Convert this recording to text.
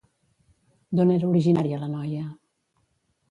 D'on era originària la noia?